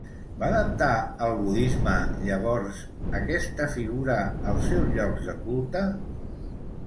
Va adaptar el budisme llavors aquesta figura als seus llocs de culte?